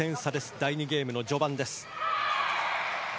第２ゲームの序盤。